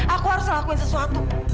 aku harus ngelakuin sesuatu